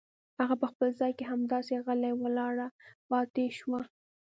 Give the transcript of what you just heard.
هغه په خپل ځای کې همداسې غلې ولاړه پاتې شوه.